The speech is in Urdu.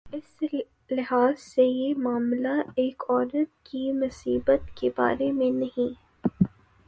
اس لحاظ سے یہ معاملہ ایک عورت کی مصیبت کے بارے میں نہیں۔